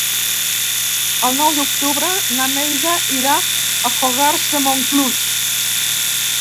El nou d'octubre na Neida irà a Fogars de Montclús.